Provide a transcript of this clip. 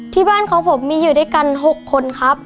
ที่บ้านของผมมีอยู่ด้วยกัน๖คนครับ